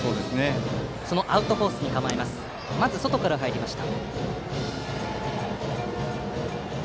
まず外から入りました。